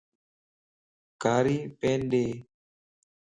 ڪاري پين ڏي